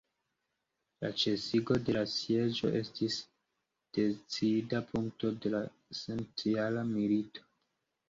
La ĉesigo de la sieĝo estis decida punkto de la centjara milito.